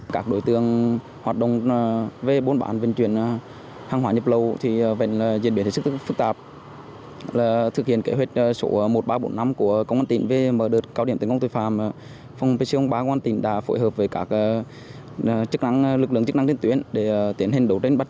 các đối tượng hoạt động về bôn bán vận chuyển hàng hóa nhập lậu thì diễn biến rất phức tạp